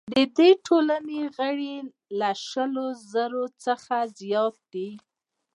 د دې ټولنې غړي له شلو زرو څخه زیات دي.